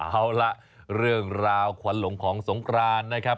เอาล่ะเรื่องราวขวัญหลงของสงครานนะครับ